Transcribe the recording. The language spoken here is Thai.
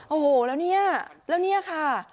โอ้โหแล้วเนี่ยแล้วเนี่ยค่ะ